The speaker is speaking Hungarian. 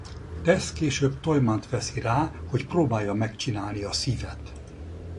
Tess később Toyman-t veszi rá hogy próbálja megcsinálni a szívet.